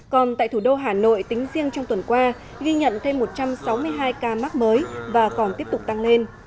còn tại thủ đô hà nội tính riêng trong tuần qua ghi nhận thêm một trăm sáu mươi hai ca mắc mới và còn tiếp tục tăng lên